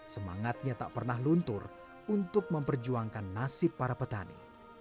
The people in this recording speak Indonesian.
semangatnya tak pernah luntur untuk memperjuangkan nasib para petani